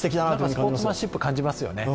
スポーツマンシップを感じますよね。